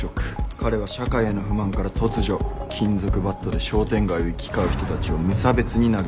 彼は社会への不満から突如金属バットで商店街を行き交う人たちを無差別に殴りつけていった。